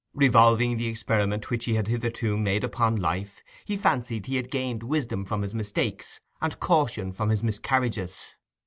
Revolving the experiment which he had hitherto made upon life, he fancied he had gained wisdom from his mistakes and caution from his miscarriages.